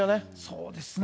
そうですね。